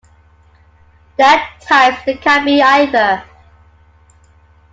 There are types that can be either.